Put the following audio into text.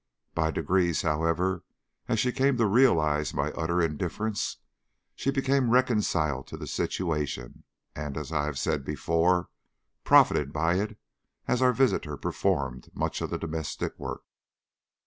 By degrees, however, as she came to realise my utter indifference, she became reconciled to the situation, and, as I have said before, profited by it, as our visitor performed much of the domestic work.